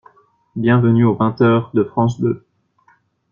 Bienvenue au vingt heures de France Deux.